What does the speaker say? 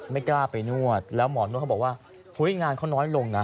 ไม่กล้าไปนวดแล้วหมอนวดเขาบอกว่างานเขาน้อยลงนะ